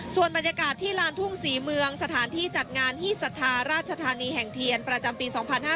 ส่วนบรรยากาศที่ลานทุ่งศรีเมืองสถานที่จัดงานที่ศรัทธาราชธานีแห่งเทียนประจำปี๒๕๕๙